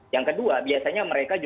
yang kedua biasanya mempromosikan